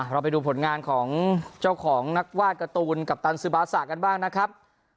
เราไปดูผลงานของเจ้าของนักวาดการ์ตูนกัปตันซึบาซะกันบ้างนะครับ